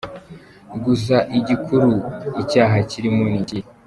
Gusa igikuru, icyaha kilimo ni ikihe?